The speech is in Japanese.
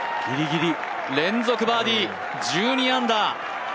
連続バーディー、１２アンダー。